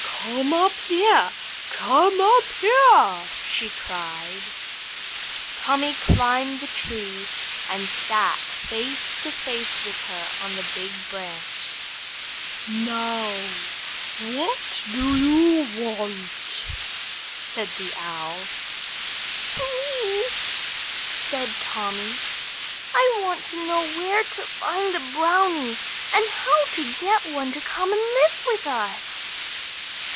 "Come up here! Come up here!" she cried. Tommy climbed the tree and sat face to face with her on the big branch. "Now, what do you want?" said the Owl. "Please," said Tommy, "I want to know where to find the brownies, and how to get one to come and live with us."